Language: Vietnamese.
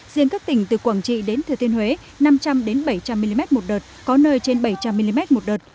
riêng các tỉnh từ quảng trị đến thừa thiên huế năm trăm linh bảy trăm linh mm một đợt có nơi trên bảy trăm linh mm một đợt